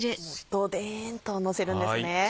ドデンとのせるんですね。